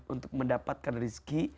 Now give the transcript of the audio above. untuk mendapatkan rezeki